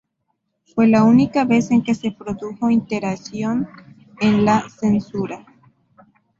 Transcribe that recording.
Fue la única vez en que se produjo iteración en la censura.